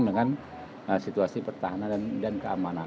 dengan situasi pertahanan dan keamanan